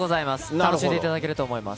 楽しんでいただけると思います。